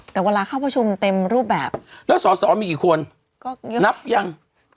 แต่เวลาเข้าประชุมเต็มรูปแบบแล้วสอสอมีกี่คนก็เยอะนับยัง